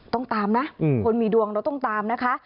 ต้องตามนะคนมีดวงเราต้องตามนะคะ